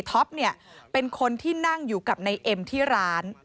ท็อปเนี่ยเป็นคนที่นั่งอยู่กับในเอ็มที่ร้าน